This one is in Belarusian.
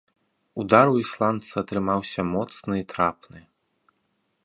Удар у ісландца атрымаўся моцны і трапны.